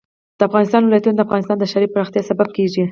د افغانستان ولايتونه د افغانستان د ښاري پراختیا سبب کېږي.